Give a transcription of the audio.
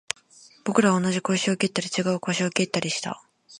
僕らは同じ小石を蹴ったり、違う小石を蹴ったりした